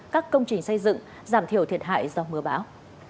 các công trình xây dựng giảm thiểu thiệt hại do mưa bão